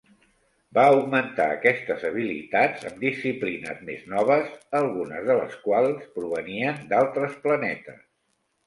Va augmentar aquestes habilitats amb disciplines més noves, algunes de les quals provenien d'altres planetes.